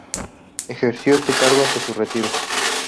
Ejerció este cargo hasta su retiro.